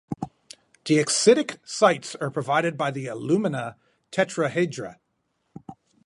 The acidic sites are provided by the alumina tetrahedra.